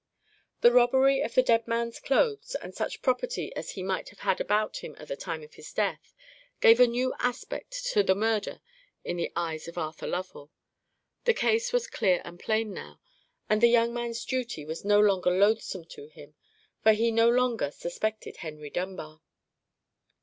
The robbery of the dead man's clothes, and such property as he might have had about him at the time of his death, gave a new aspect to the murder in the eyes of Arthur Lovell. The case was clear and plain now, and the young man's duty was no longer loathsome to him; for he no longer suspected Henry Dunbar.